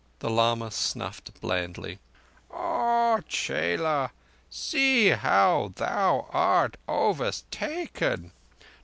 The lama snuffed blandly. "Ah, chela, see how thou art overtaken!